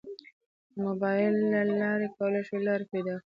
د موبایل له لارې کولی شو لار پیدا کړو.